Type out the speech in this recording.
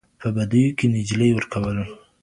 په بديو کي د نجلۍ ورکول